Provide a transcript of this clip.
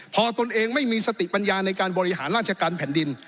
พอตนเองไม่มีสติปัญญาในการบริหารราชการแผ่นดิน